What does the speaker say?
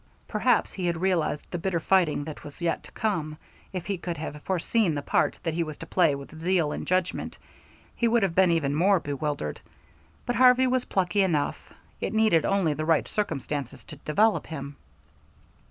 Perhaps had he realized the bitter fighting that was yet to come, if he could have foreseen the part that he was to play with zeal and judgment, he would have been even more bewildered, but Harvey was plucky enough; it needed only the right circumstances to develop him.